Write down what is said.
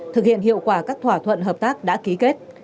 thực hiện hiệu quả các thỏa thuận hợp tác đã ký kết